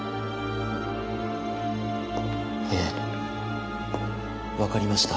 ええ分かりました。